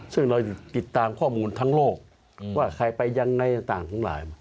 ซึ่งเราติดตามข้อมูลทั้งโลกว่าใครไปยังไงต่างทั้งหลาย